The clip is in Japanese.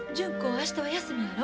明日は休みやろ？